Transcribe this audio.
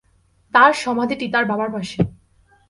তার সমাধিটি তার বাবার পাশে।